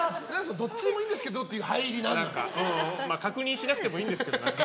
どっちでもいいんですけどって確認しなくてもいいんですけど。